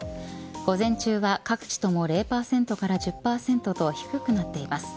午前中は各地とも０％から１０％と低くなっています。